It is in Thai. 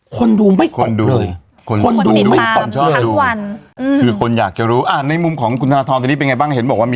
คนดูไม่ตกเลยคนดูไม่ตกทั้งวัน